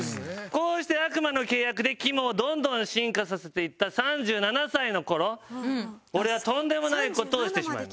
こうして悪魔の契約でキモをどんどん進化させていった３７歳の頃俺はとんでもない事をしてしまいます。